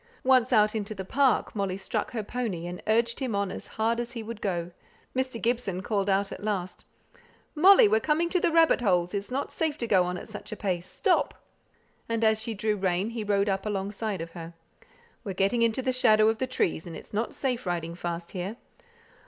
Once out into the park Molly struck her pony, and urged him on as hard as he would go. Mr. Gibson called out at last: "Molly! we're coming to the rabbit holes; it's not safe to go at such a pace. Stop." And as she drew rein he rode up alongside of her. "We're getting into the shadow of the trees, and it's not safe riding fast here."